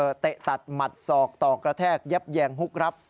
เตะตัดหมัดศอกต่อกระแทกยับแยงฮุกรับ